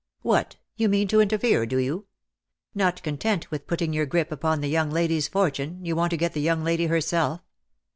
" What, you mean to interfere, do you ! Not content with putting your grip upon the young lady's fortune, you want to get the young lady herself.